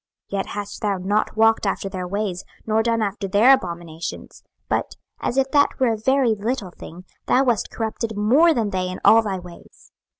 26:016:047 Yet hast thou not walked after their ways, nor done after their abominations: but, as if that were a very little thing, thou wast corrupted more than they in all thy ways.